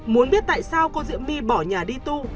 muốn biết tại sao cô diễm my bỏ nhà đi tu